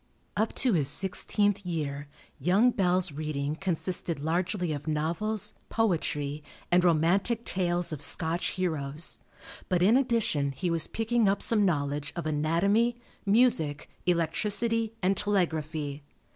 Up to his sixteenth year young Bell's reading consisted largely of novels, poetry, and romantic tales of Scotch heroes. But in addition he was picking up some knowledge of anatomy, music, electricity, and telegraphy.